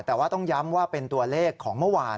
แต่ว่าต้องย้ำว่าเป็นตัวเลขของเมื่อวาน